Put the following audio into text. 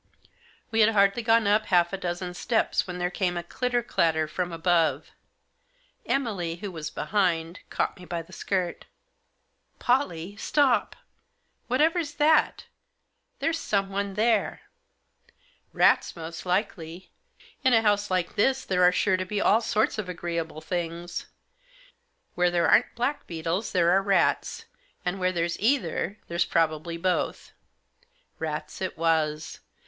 We had hardly gone up half a dozen steps when there came a clitter clatter from above. Emily, who was behind, caught me by the skirt. " Pollie ! Stop ! Whatever's that ? There's some one there !"" Rats, most likely. In a house like this there are sure to be all sorts of agreeable things. Where there aren't blackbeetles there are rats ; and where there's either there's probably both." Rats it was.